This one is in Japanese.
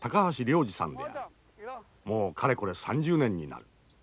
もうかれこれ３０年になる。